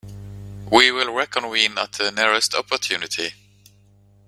We will reconvene at the nearest opportunity.